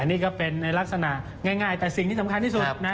นี่ก็เป็นในลักษณะง่ายแต่สิ่งที่สำคัญที่สุดนะ